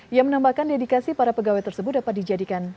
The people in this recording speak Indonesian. ia menambahkan dedikasi para pegawai tersebut dapat dijadikan